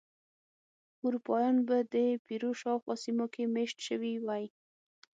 اروپایان به د پیرو شاوخوا سیمو کې مېشت شوي وای.